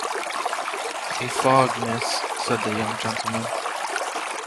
"A fog, miss," said the young gentleman.